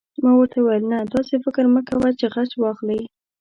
ما ورته وویل: نه، داسې فکر مه کوه چې غچ واخلې.